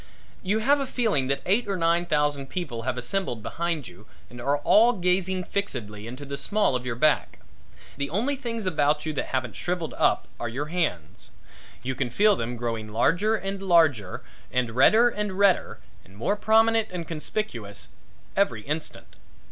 You have a feeling that eight or nine thousand people have assembled behind you and are all gazing fixedly into the small of your back. The only things about you that haven't shrivelled up are your hands. You can feel them growing larger and larger and redder and redder and more prominent and conspicuous every instant.